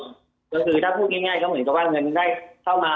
ก็คือถ้าพูดง่ายก็เหมือนกับว่าเงินได้เข้ามา